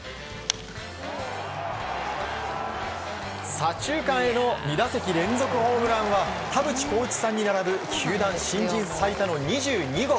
左中間への２打席連続ホームランは田淵幸一さんに並ぶ球団新人最多の２２号。